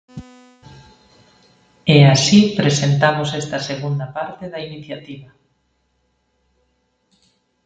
E así presentamos esta segunda parte da iniciativa.